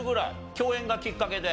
共演がきっかけで？